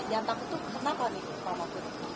yang takut itu kenapa nih pak mahfud